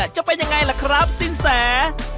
จะเป็นอย่างไรนะครับสินแส